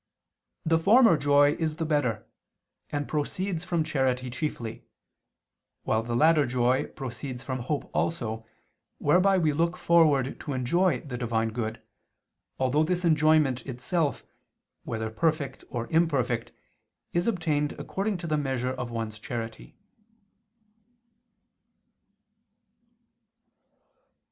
The former joy is the better, and proceeds from charity chiefly: while the latter joy proceeds from hope also, whereby we look forward to enjoy the Divine good, although this enjoyment itself, whether perfect or imperfect, is obtained according to the measure of one's charity.